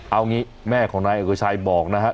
เอางี้แม่ของนายเอกชัยบอกนะฮะ